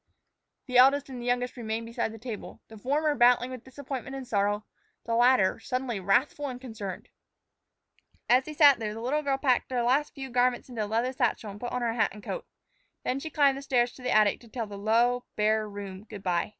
The eldest and the youngest remained beside the table, the former battling with disappointment and sorrow, the latter suddenly wrathful and concerned. As they sat there, the little girl packed a few last garments into a leather satchel and put on her hat and coat. Then she climbed the stairs to the attic to tell the low, bare room good by.